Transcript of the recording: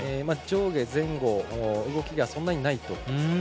上下前後の動きがそんなにないと。